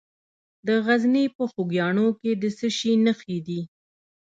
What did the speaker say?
د غزني په خوږیاڼو کې د څه شي نښې دي؟